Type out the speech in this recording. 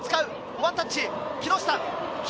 ワンタッチ、木下。